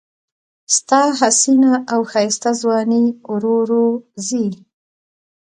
ستا حسینه او ښایسته ځواني ورو ورو ځي